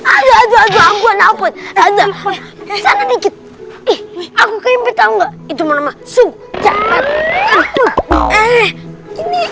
aduh aduh aduh aku kenapa ada dikit aku kelimpitan enggak itu mau masuk jangan